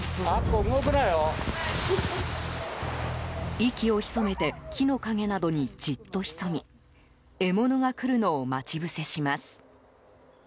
息をひそめて木の陰などにじっと潜み獲物が来るのを待ち伏せします。